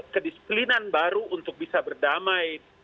kedisiplinan baru untuk bisa berdamai